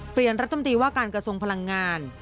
รัฐมนตรีว่าการกระทรวงพลังงาน